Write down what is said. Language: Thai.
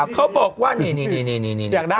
เขาบอกว่านี่